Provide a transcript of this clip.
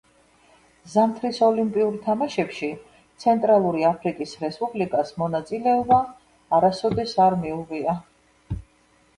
ზამთრის ოლიმპიურ თამაშებში ცენტრალური აფრიკის რესპუბლიკას მონაწილეობა არასოდეს არ მიუღია.